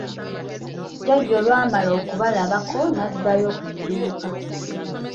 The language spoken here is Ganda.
Jjjajja olwamala okubalabako, n'addayo ku dduuka.